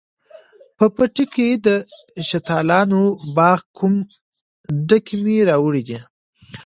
په پټي کښې د شلتالانو باغ کوم، ډکي مې راوړي دي